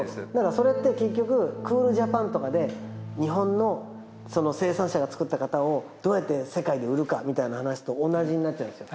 それって結局クールジャパンとかで日本の生産者が作った方をどうやって世界で売るかみたいな話と同じになっちゃうんですよ。